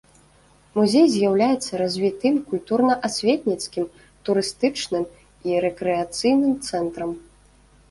Музей з'яўляецца развітым культурна-асветніцкім, турыстычным і рэкрэацыйным цэнтрам.